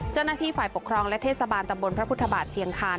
เจ้าหน้าที่ฝ่ายปกครองและเทศบาลตำบลพระพุทธบาทเชียงคาน